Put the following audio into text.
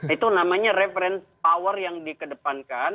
itu namanya reference power yang dikedepankan